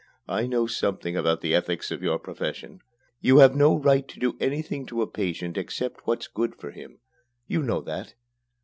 I know something about the ethics of your profession. You have no right to do anything to a patient except what's good for him. You know that.